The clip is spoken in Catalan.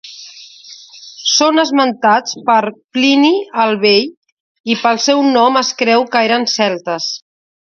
Són esmentats per Plini el Vell i pel seu nom es creu que eren celtes.